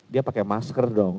dia pakai masker dong